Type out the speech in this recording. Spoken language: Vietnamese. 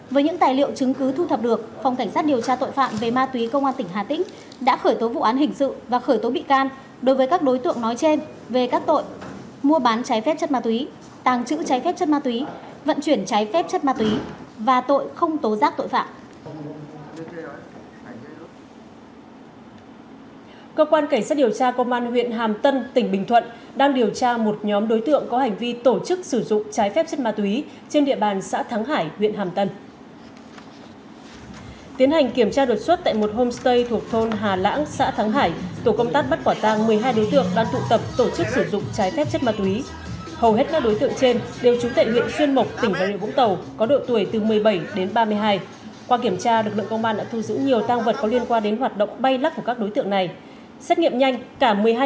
với những tài liệu chứng cứ thu thập được phòng cảnh sát điều tra tội phạm về ma túy công an tỉnh hà tĩnh đã khởi tố vụ án hình sự và khởi tố bị can đối với các đối tượng nói trên về các tội mua bán trái phép chất ma túy tàng trữ trái phép chất ma túy vận chuyển trái phép chất ma túy và tội không tố giác tội phạm